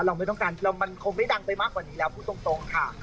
เราไม่ต้องการเรามันคงไม่ดังไปมากกว่านี้แล้วพูดตรงค่ะ